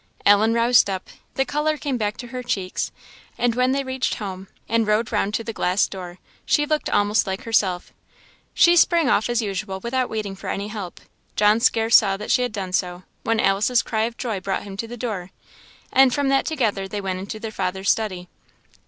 Ellen roused up; the colour came back to her cheeks; and when they reached home, and rode round to the glass door, she looked almost like herself. She sprang off as usual without waiting for any help. John scarce saw that she had done so, when Alice's cry of joy brought him to the door, and from that together they went in to their father's study.